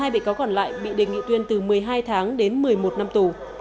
hai mươi bị cáo còn lại bị đề nghị tuyên từ một mươi hai tháng đến một mươi một năm tù